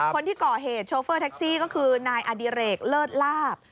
คนที่ก่อเหตุโชเฟอร์แท็กซี่ก็คือนายอดิเรกเลิศลาบ